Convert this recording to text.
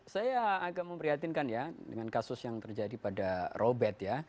saya agak memprihatinkan ya dengan kasus yang terjadi pada robert ya